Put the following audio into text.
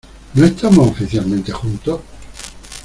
¿ no estamos oficialmente juntos?